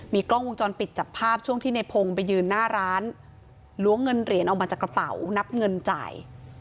กล้องวงจรปิดจับภาพช่วงที่ในพงศ์ไปยืนหน้าร้านล้วงเงินเหรียญออกมาจากกระเป๋านับเงินจ่าย